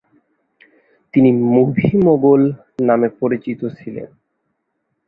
তিনি "movie mogul" নামে পরিচিত ছিলেন।